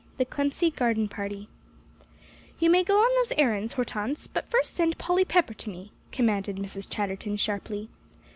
XXIII THE CLEMCY GARDEN PARTY "You may go on those errands, Hortense, but first send Polly Pepper to me," commanded Mrs. Chatterton sharply.